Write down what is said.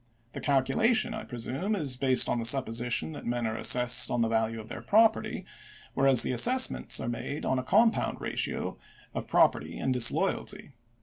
The calcula tion, I presume, is based on the supposition that men are assessed on the value of their property, whereas the assessments are made on a compound ratio of property and disloyalty.